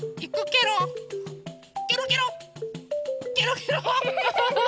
ケロケロケロケロ。